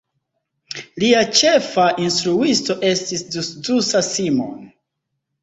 Lia ĉefa instruisto estis Zsuzsa Simon.